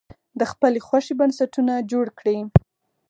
د خپلې خوښې بنسټونه جوړ کړي.